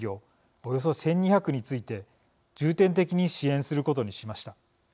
およそ１，２００について重点的に支援することにしました。